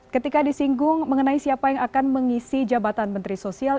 ketika disinggung mengenai siapa yang akan mengisi jabatan menteri sosial